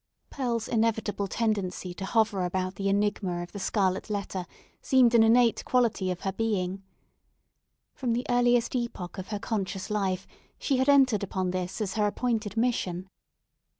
Pearl's inevitable tendency to hover about the enigma of the scarlet letter seemed an innate quality of her being. From the earliest epoch of her conscious life, she had entered upon this as her appointed mission.